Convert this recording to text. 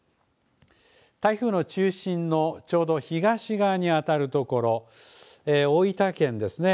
台風の中心のちょうど東側に当たるところ、大分県ですね。